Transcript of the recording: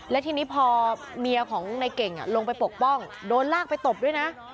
และทีนี้พอเมียของในเก่งลงไปปกป้องโดนลากไปตบด้วยนะ